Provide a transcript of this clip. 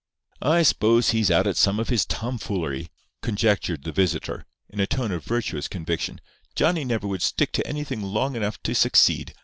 "I s'pose he's out at some of his tomfoolery," conjectured the visitor, in a tone of virtuous conviction. "Johnny never would stick to anything long enough to succeed.